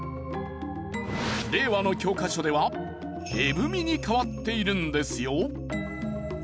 令和の教科書では「絵踏」に変わっているんですよ。